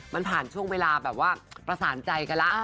มันผ่านช่วงเวลาแบบว่าประสานใจกันแล้ว